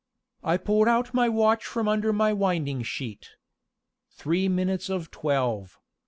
I pulled out my watch from under my winding sheet. Three minutes of twelve.